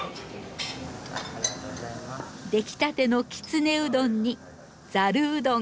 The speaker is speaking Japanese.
出来たてのきつねうどんにざるうどん。